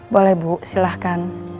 boleh bu silahkan